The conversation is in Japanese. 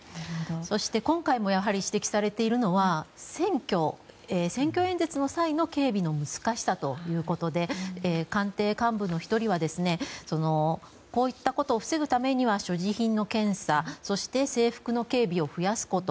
そして今回もやはり指摘されているのは選挙演説の際の警備の難しさということで官邸幹部の１人はこういったことを防ぐためには所持品の検査そして制服の警備を増やすこと。